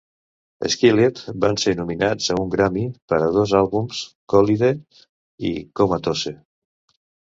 Skillet van ser nominats a un Grammy per a dos àlbums Collide i Comatose.